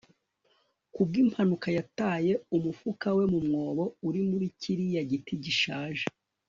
ku bw'impanuka yataye umufuka we mu mwobo uri muri kiriya giti gishaje